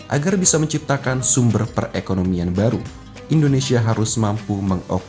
agar bisa menciptakan sumber perekonomian baru indonesia harus mampu mengoptimalkan sumber perekonomian baru